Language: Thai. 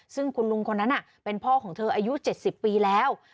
ซึ่งคุณลุงคนนั้นเป็นพ่อของเธออายุ๗๐ปีแล้ว